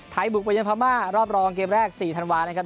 ไทยบุกประยันพรรมารอบรองเกมแรก๔ธันวาลนะครับ